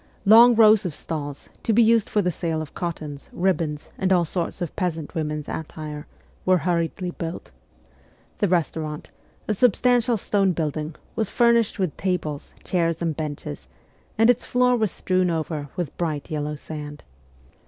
Long rows of stalls, to be used for the sale of cottons, ribbons, and all sorts of peasant women's attire, were hurriedly built. The restaurant, a substantial stone building, was furnished with tables, chairs and benches, and its floor was strewn over with bright yellow sand.